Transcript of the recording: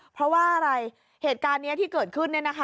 เพราะว่าอะไรเหตุการณ์นี้ที่เกิดขึ้น